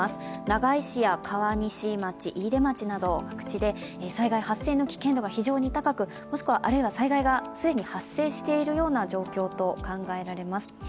長井市や川西町、飯豊町など各地で災害発生の危険度が非常に高く、もしくは災害が既に発生しているような状況と考えられます。